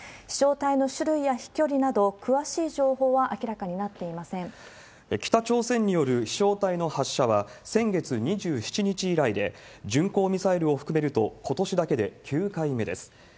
飛しょう体の種類や飛距離など、詳しい情報は明らかになっていま北朝鮮による飛しょう体の発射は、先月２７日以来で、巡航ミサイルを含めるとことしだけで９回目です。